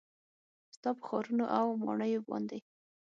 ستا په ښارونو او ماڼیو باندې